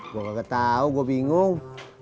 gue gak tau gue bingung